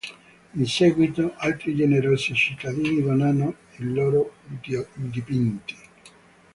In seguito altri generosi cittadini donano i loro dipinti.